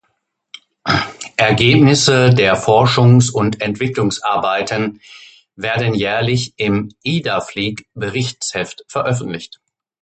Ergebnisse der Forschungs- und Entwicklungsarbeiten werden jährlich im "Idaflieg-Berichtsheft" veröffentlicht.